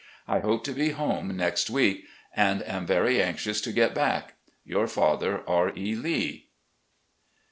I hope to be home next week and am very anxious to get back. "Your father, "R. E. Lee."